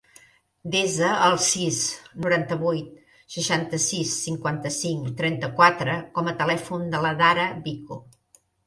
Desa el sis, noranta-vuit, seixanta-sis, cinquanta-cinc, trenta-quatre com a telèfon de la Dara Vico.